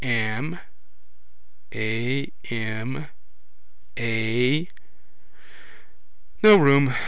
AM. A. No room.